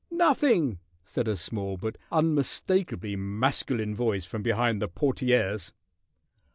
"Nothin'," said a small but unmistakably masculine voice from behind the portieres.